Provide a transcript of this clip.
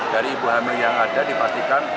dari ibu hamil yang ada dipastikan